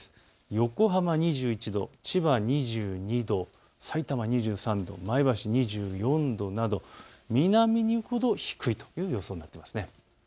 横浜２１度、千葉２２度、さいたま２３度、前橋２４度など南に行くほど低いという予想になります。